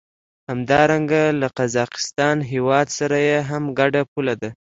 همدارنګه له قزاقستان هېواد سره یې هم ګډه پوله ده.